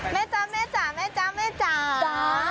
แม่จ้าแม่จ้าแม่จ้าแม่จ้าจ้า